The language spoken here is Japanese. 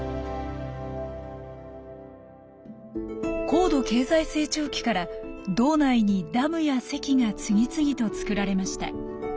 高度経済成長期から道内にダムや堰が次々と造られました。